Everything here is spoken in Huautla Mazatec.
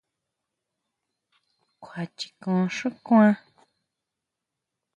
¿Kjuachikun xu kuan?